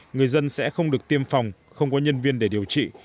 người dân sẽ không được tiêm phòng không có nhân viên để điều trị